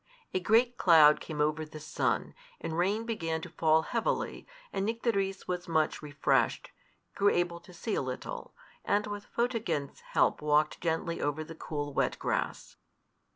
A great cloud came over the sun, and rain began to fall heavily, and Nycteris was much refreshed, grew able to see a little, and with Photogen's help walked gently over the cool wet grass.